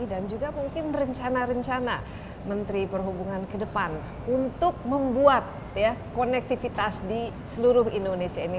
dan juga mungkin rencana rencana menteri perhubungan ke depan untuk membuat konektivitas di seluruh indonesia ini